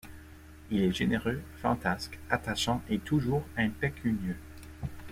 Il est généreux, fantasque, attachant et toujours impécunieux.